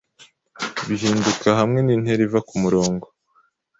bihinduka hamwe nintera iva kumurongo